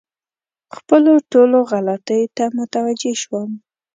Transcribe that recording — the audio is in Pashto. خپلو ټولو غلطیو ته متوجه شوم.